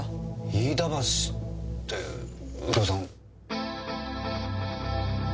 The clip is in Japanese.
飯田橋って右京さん。